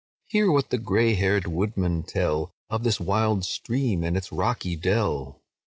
Hear what the grey haired woodmen tell Of this wild stream, and its rocky dell.